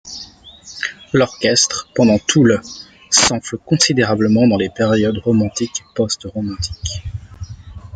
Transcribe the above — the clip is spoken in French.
L'orchestre pendant tout le s'enfle considérablement dans les périodes romantique et post-romantique.